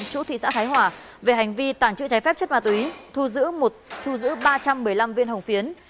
chủ thị xã thái hòa về hành vi tàng trữ trái phép chất ma túy thu giữ ba trăm một mươi năm viên hồng phiến